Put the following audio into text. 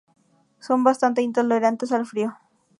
Son bastante intolerantes al frío.